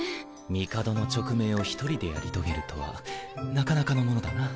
帝の勅命を１人でやり遂げるとはなかなかのものだな。